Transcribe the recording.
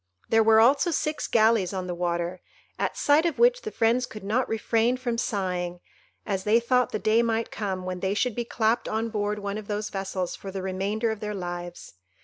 There were also six galleys on the water, at sight of which the friends could not refrain from sighing, as they thought the day might come when they should be clapped on board one of those vessels for the remainder of their lives.